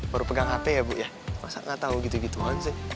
baru pegang hp ya bu masa gak tau gitu gituan sih